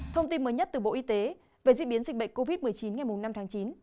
thông tin mới nhất từ bộ y tế về diễn biến dịch bệnh covid một mươi chín ngày năm tháng chín